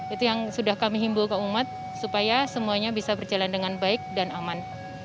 itu yang sudah kami himbau ke umat supaya semuanya bisa berjalan dengan baik dan aman